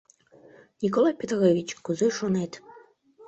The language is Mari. Николай Петрович, кузе шонет?